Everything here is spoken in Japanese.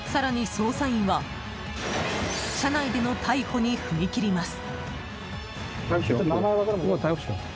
捜査員は車内での逮捕に踏み切ります。